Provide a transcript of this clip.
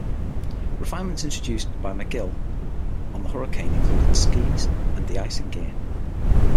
Refinements introduced by MacGill on the Hurricane included skis and de-icing gear.